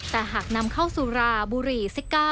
แต่หากนำเข้าสุราบุหรี่ซิก้า